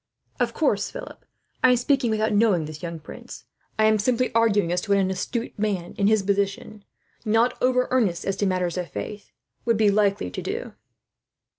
"Of course, Philip, I am speaking without knowing this young prince. I am simply arguing as to what an astute and politic man, in his position, not over earnest as to matters of faith, would be likely to do."